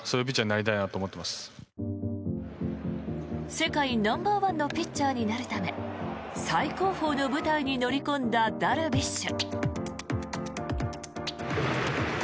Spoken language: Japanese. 世界ナンバーワンのピッチャーになるため最高峰の舞台に乗り込んだダルビッシュ。